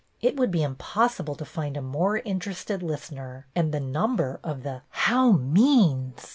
It would be impossible to find a more interested listener, and the number of the " How means